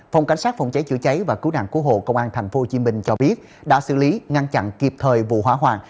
phòng cảnh sát phòng cháy chữa cháy và cứu nạn cứu hộ công an tp hcm cho biết đã xử lý ngăn chặn kịp thời vụ hỏa hoạn